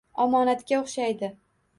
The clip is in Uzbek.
Omonatga o’xshaydi.